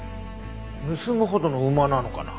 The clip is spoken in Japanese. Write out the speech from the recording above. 盗むほどの馬なのかな？